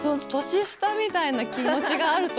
年下みたいな気持ちがある時も。